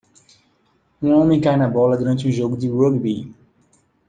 Um homem cai na bola durante um jogo de rúgbi